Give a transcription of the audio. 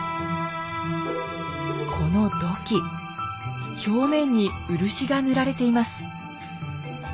この土器表面に漆が塗られています。